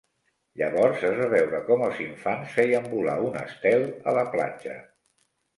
Llavors, es va veure com els infants feien volar un estel a la platja.